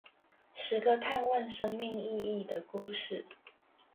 十個探問生命意義的故事